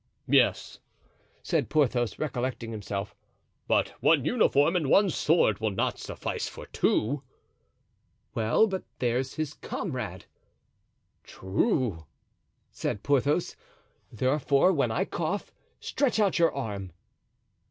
"Yes," said Porthos, recollecting himself, "but one uniform and one sword will not suffice for two." "Well; but there's his comrade." "True," said Porthos. "Therefore, when I cough, stretch out your arm."